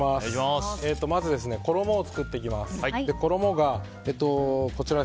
まず、衣を作っていきます。